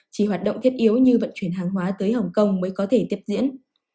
chỉ hoạt động thiết yếu như vận chuyển hàng hóa tới hồng kông mới có thể tiếp diễn